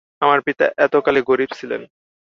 আমার পিতা এতকালে গরিব ছিলেন।